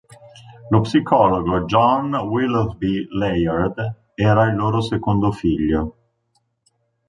Lo psicologo John Willoughby Layard era il loro secondo figlio.